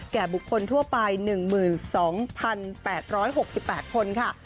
แก่บุคคลทั่วไป๑๒๘๖๘คนค่ะ